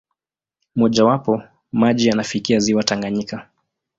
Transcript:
Mmojawapo, maji yanafikia ziwa Tanganyika.